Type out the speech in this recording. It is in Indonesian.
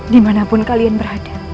dimana pun kalian berada